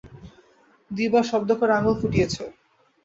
দুই বার শব্দ করে আঙুল ফুটিয়েছে।